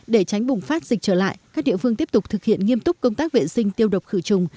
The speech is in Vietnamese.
để tránh bùng phát dịch trở lại các địa phương tiếp tục thực hiện nghiêm túc công tác vệ sinh tiêu độc khử trùng